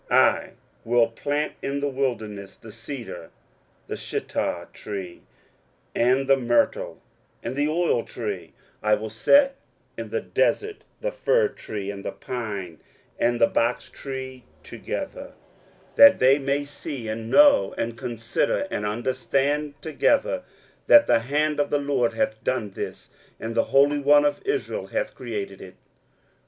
23:041:019 I will plant in the wilderness the cedar, the shittah tree, and the myrtle, and the oil tree; I will set in the desert the fir tree, and the pine, and the box tree together: 23:041:020 That they may see, and know, and consider, and understand together, that the hand of the LORD hath done this, and the Holy One of Israel hath created it.